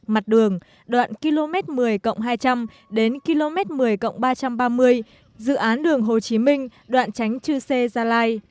mặt đường đoạn km một mươi hai trăm linh đến km một mươi ba trăm ba mươi dự án đường hồ chí minh đoạn tránh chư sê gia lai